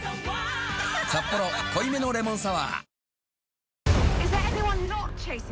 「サッポロ濃いめのレモンサワー」